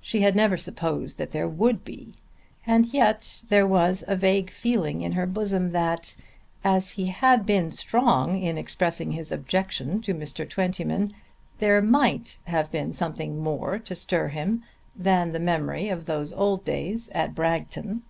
She had never supposed that there would be; and yet there was a vague feeling in her bosom that as he had been strong in expressing his objection to Mr. Twentyman there might have been something more to stir him than the memory of those old days at Bragton!